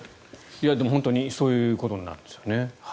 でも本当にそういうことなんですよね。